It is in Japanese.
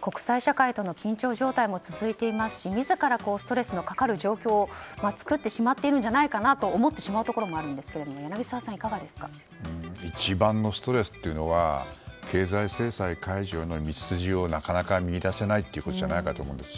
国際社会との緊張状態も続いていますし自らストレスのかかる状況を作ってしまっているんじゃないかと思ってしまうところもありますが一番のストレスは経済制裁解除の道筋をなかなか見いだせないということじゃないかと思うんです。